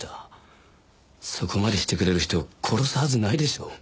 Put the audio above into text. そこまでしてくれる人を殺すはずないでしょ。